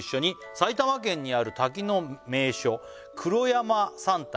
「埼玉県にある滝の名所黒山三滝」